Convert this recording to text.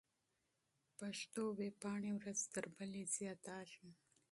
پښتو ويبپاڼې ورځ تر بلې زياتېږي.